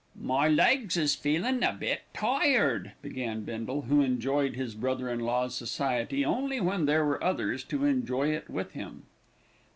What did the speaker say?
"My legs is feelin' a bit tired " began Bindle, who enjoyed his brother in law's society only when there were others to enjoy it with him.